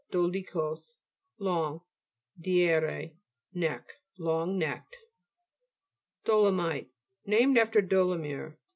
dolichos, long, deire, neck. Long necked (p. 57). DO'LOMITE Named after Dolomieu.